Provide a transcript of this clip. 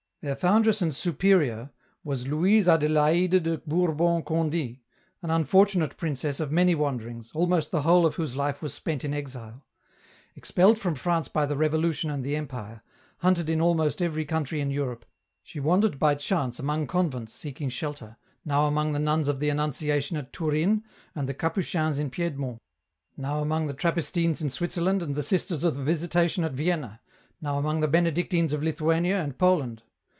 " Their foundress and superior was Louise Adelaide de Bourbon Conde', an unfortunate princess of many wanderings, almost the whole of whose life was spent in exile. Expelled from France by the Revolution and the Empire, hunted in H a 100 EN ROUTE. almost every country in Europe, she wandered by chance among convents seeking shelter, now among the nuns of the Annunciation at Turin and the Capuchins in Piedmont, now among the Trappistines in Switzerland and the Sisters of the Visitation at Vienna, now among the Benedictines of Lithuania and Poland.